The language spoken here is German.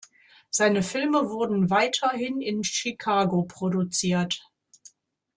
Seine Filme wurden weiterhin in Chicago produziert.